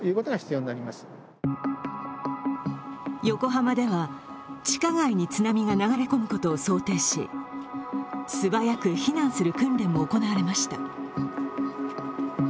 横浜では、地下街に津波が流れ込むことを想定し素早く避難する訓練も行われました。